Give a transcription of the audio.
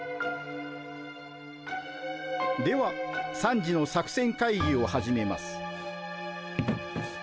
では３時の作戦会議を始めます。